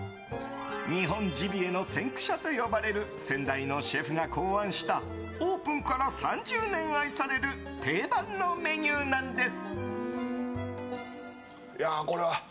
日本ジビエの先駆者と呼ばれる先代のシェフが考案したオープンから３０年愛される定番のメニューなんです。